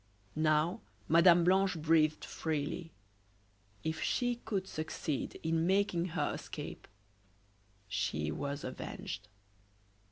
Now Mme. Blanche breathed freely. If she could succeed in making her escape she was avenged.